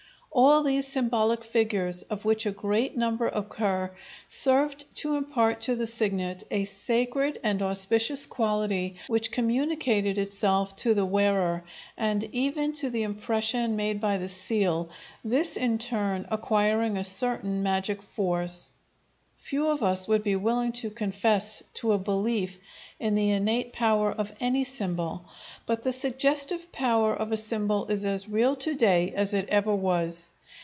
All these symbolic figures, of which a great number occur, served to impart to the signet a sacred and auspicious quality which communicated itself to the wearer, and even to the impression made by the seal, this in its turn acquiring a certain magic force. Few of us would be willing to confess to a belief in the innate power of any symbol, but the suggestive power of a symbol is as real to day as it ever was.